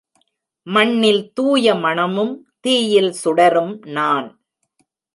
மண்ணில் தூய மணமும் தீயில் சுடரும் நான்.